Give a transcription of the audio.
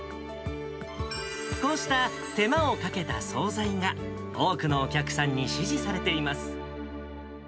こうした手間をかけた総菜が多くのお客さんに支持されています。